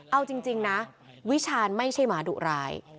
เอาจริงนะวิชาณไม่ใช่หมาดุร้าย